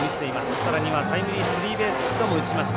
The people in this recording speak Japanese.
さらにはタイムリースリーベースヒットも打ちました。